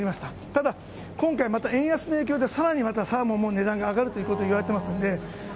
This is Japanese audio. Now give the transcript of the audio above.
ただ今回また円安の影響で、さらにまたサーモンも値段が上がるということを言われてますので。